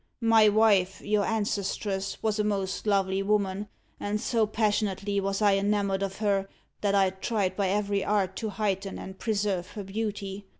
My wife, your ancestress, was a most lovely woman, and so passionately was I enamoured of her, that I tried by every art to heighten and preserve her beauty.